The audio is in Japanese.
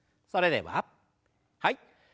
それでははい。